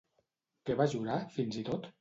Què va jurar, fins i tot?